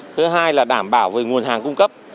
thứ hai là đảm bảo về nguồn hàng cung cấp